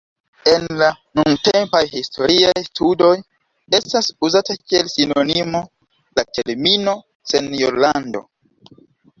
En la nuntempaj historiaj studoj estas uzata kiel sinonimo la termino "senjorlando".